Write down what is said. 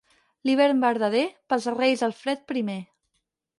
L'hivern verdader, pels Reis el fred primer.